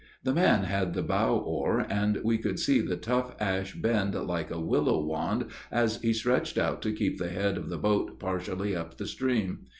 The man had the bow oar, and we could see the tough ash bend like a willow wand as he stretched out to keep the head of the boat partially up the stream.